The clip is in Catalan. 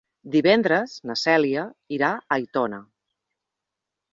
Divendres na Cèlia irà a Aitona.